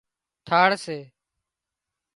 ٿاۯ سي